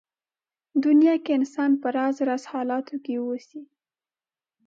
دنيا کې انسان په راز راز حالاتو کې اوسي.